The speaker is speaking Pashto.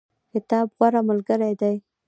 کتاب غوره ملګری دی